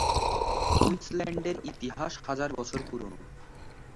কুইন্সল্যান্ডের ইতিহাস হাজার বছর পুরোনো।